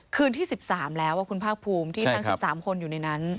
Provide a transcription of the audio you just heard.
คืนที่๑๓แล้วคุณภาคภูมิที่ทั้ง๑๓คนอยู่ในนั้น